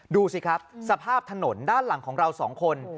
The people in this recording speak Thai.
ดูสิครับสภาพถนนด้านหลังของเราสองคน